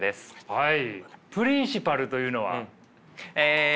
はい。